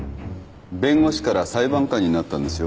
弁護士から裁判官になったんですよ